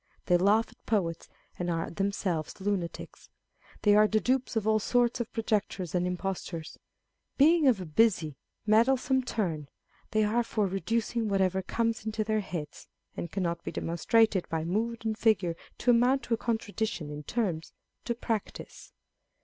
They laugh at poets, and are themselves lunatics. They are the dupes of all sorts of projectors and impostors. Being of a busy, meddle some turn, they are for reducing whatever comes into their heads (and cannot be demonstrated by mood and figure to amount to a contradiction in terms) to practice.